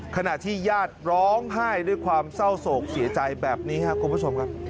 ขณะที่ญาติร้องไห้ด้วยความเศร้าโศกเสียใจแบบนี้ครับคุณผู้ชมครับ